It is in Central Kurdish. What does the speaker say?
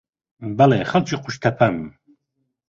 بەڵێ، خەڵکی قوشتەپەم.